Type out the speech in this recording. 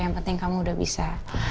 yang penting kamu udah bisa